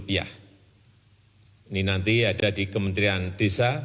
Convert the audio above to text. ini nanti ada di kementerian desa